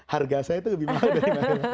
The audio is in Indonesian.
harga saya itu lebih mahal dari mana